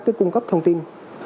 đối với các cung cấp thông tin